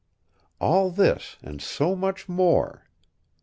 All this and so much more!...